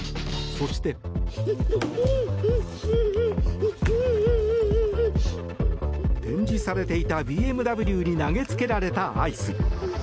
そして。展示されていたＢＭＷに投げつけられたアイス。